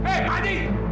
eh pak adi